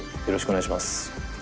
よろしくお願いします